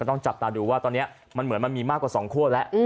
ต้องจับตาดูว่าตอนนี้มันเหมือนมันมีมากกว่า๒คั่วแล้ว